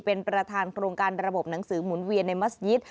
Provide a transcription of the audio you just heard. เป็นประธานโครงการระบบหนังสือหมุนเวียนในมัศยิต